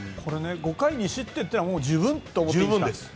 ５回２失点というのは十分と思っていいんですか。